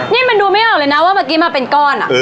นี่มันดูไม่ออกเลยนะว่าเมื่อกี้มาเป็นก้อน